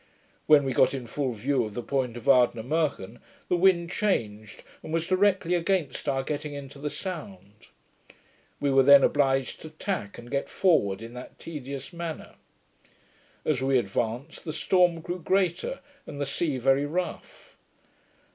When we got in full view of the point of Ardnamurchan, the wind changed, and was directly against our getting into the sound. We were then obliged to tack, and get forward in that tedious manner. As we advanced, the storm grew greater, and the sea very rough.